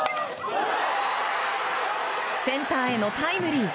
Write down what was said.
センターへのタイムリー。